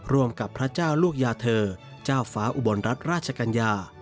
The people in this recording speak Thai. ร่วมกับพระเจ้าลูกยาเธอเจ้าฟ้าอุบลรัฐราชกัญญา